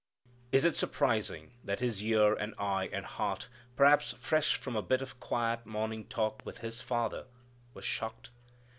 Is it surprising that His ear and eye and heart, perhaps fresh from a bit of quiet morning talk with His Father, were shocked?